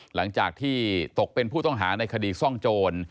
หลังจากที่ตกเป็นผู้ต้องหาในคดีซ่องโจร